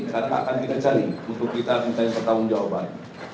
karena tidak akan kita cari untuk kita mencari pertanggung jawaban